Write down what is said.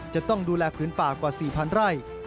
จะต้องดูแลผืนป่ากว่า๔๐๐ไร่